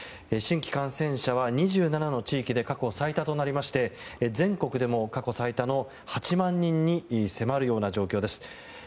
新規感染者は２７の地域で過去最多となりまして全国でも過去最多の８万人に迫る状況です。